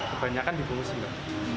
kebanyakan dibungkus juga